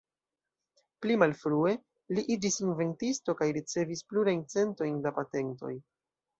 Pli malfrue, li iĝis inventisto kaj ricevis plurajn centojn da patentoj.